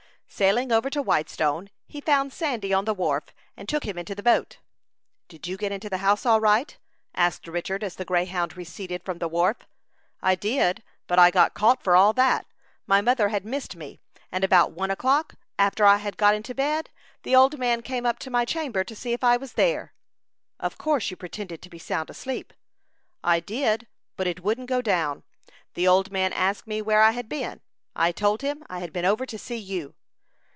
Sailing over to Whitestone, he found Sandy on the wharf, and took him into the boat. "Did you get into the house all right?" asked Richard as the Greyhound receded from the wharf. "I did, but I got caught for all that. My mother had missed me, and about one o'clock, after I had got into bed, the old man came up to my chamber to see if I was there." "Of course you pretended to be sound asleep." "I did; but it wouldn't go down. The old man asked me where I had been. I told him I had been over to see you."